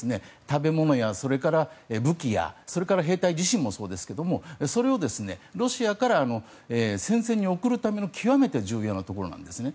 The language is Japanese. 食べ物や武器やそれから兵隊自身もそうですけどもそれをロシアから戦線に送るための極めて重要なところです。